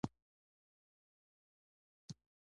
باید پښتو ته کار وکړو